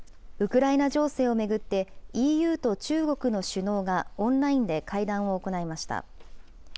ウクライナ情勢を巡って、ＥＵと中国の首脳がオンラインで会談を行いました。